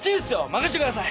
任してください。